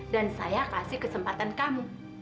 dan saya kasih kesempatan kamu